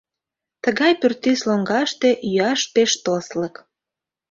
— Тыгай пӱртӱс лоҥгаште йӱаш пеш тослык.